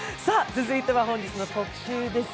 続いては本日の特集です。